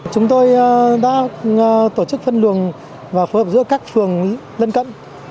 chúng tôi đã tổ chức phân luồng và phối hợp giữa các phường lân cận